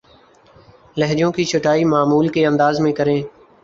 لہجوں کی چھٹائی معمول کے انداز میں کریں